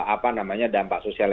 apa namanya dampak sosial